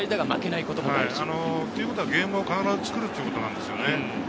ということはゲームを作るということなんですよね。